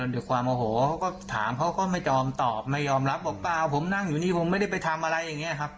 ด้วยความโอโหเขาก็ถามเขาก็ไม่ยอมตอบไม่ยอมรับบอกเปล่าผมนั่งอยู่นี่ผมไม่ได้ไปทำอะไรอย่างนี้ครับ